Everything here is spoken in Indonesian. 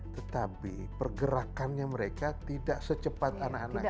tetapi pergerakannya mereka tidak secepat anak anak